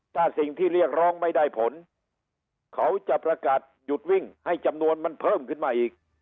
ถ้าสิ่งที่เรียกร้องไม่ได้ผลเขาจะประกาศหยุดวิ่งให้จำนวนมันเพิ่มขึ้นมาอีก